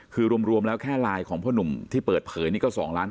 คือรวมแล้วแค่ไลน์ของพ่อหนุ่มที่เปิดเผยนี่ก็๒ล้าน